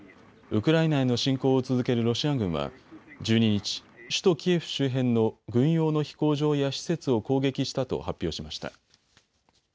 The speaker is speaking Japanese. ウクライナへの侵攻を続けるロシア軍は１２日、首都キエフ周辺の軍用の飛行場や施設を攻撃したと発表しました。